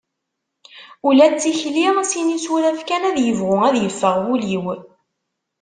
Ula d tikli sin isuraf kan ad yebɣu ad yeffeɣ wul-iw.